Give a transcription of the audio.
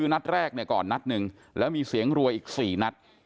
นัดแรกเนี่ยก่อนนัดหนึ่งแล้วมีเสียงรวยอีก๔นัด